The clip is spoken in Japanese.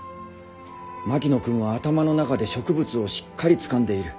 槙野君は頭の中で植物をしっかりつかんでいる。